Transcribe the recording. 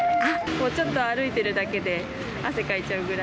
ちょっと歩いてるだけで、汗かいちゃうぐらい。